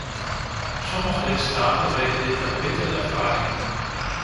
Sommige lidstaten weten dit uit bittere ervaring.